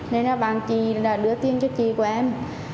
nên là bà chị là đưa tiền cho chị của em